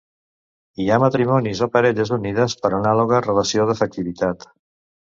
Hi ha matrimonis o parelles unides per anàloga relació d'afectivitat.